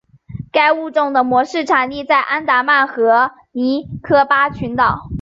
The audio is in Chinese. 该物种的模式产地在安达曼和尼科巴群岛。